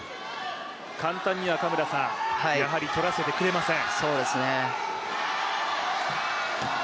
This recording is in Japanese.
簡単にはやはり取らせてくれません。